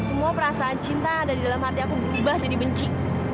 semua perasaan cinta ada di dalam hati aku berubah jadi benci